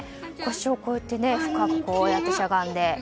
腰をこうやって深くしゃがんで。